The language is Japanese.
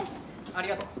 ありがとう。